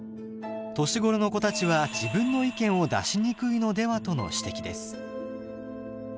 年頃の子たちは自分の意見を出しにくいのではとの指摘です。